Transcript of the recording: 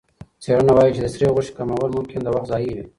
څېړنه وايي چې د سرې غوښې کمول ممکن د وخت ضایع وي.